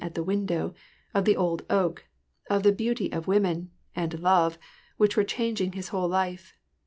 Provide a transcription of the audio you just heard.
at the window, of the old oak, of the beauty of women, and love, which were changing his whole life.